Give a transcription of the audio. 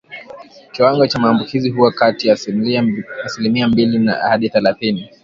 Kiwango cha maambukizi huwa kati ya asilimia mbili hadi thelathini